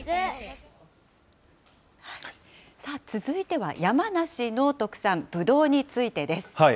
続いては山梨の特産、ぶどうについてです。